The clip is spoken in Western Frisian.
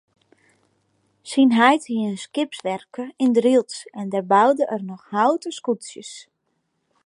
Syn heit hie in skipswerfke yn Drylts en dêr boude er noch houten skûtsjes.